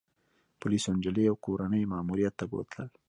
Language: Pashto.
پولیسو انجلۍ او کورنۍ يې ماموریت ته بوتلل